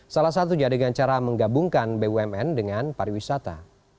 salah satu jadinya dengan cara menggabungkan bumn dengan pariwisata